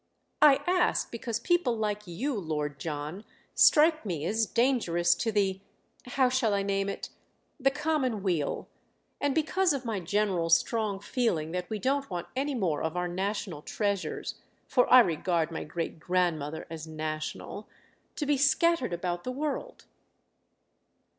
"I ask because people like you, Lord John, strike me as dangerous to the—how shall I name it?—the common weal; and because of my general strong feeling that we don't want any more of our national treasures (for I regard my great grandmother as national) to be scattered about the world."